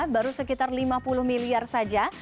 baru sekitar lima puluh miliar saja